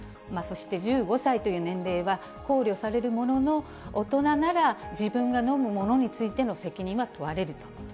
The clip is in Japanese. そして、１５歳という年齢は考慮されるものの、大人なら自分が飲むものについての責任は問われると。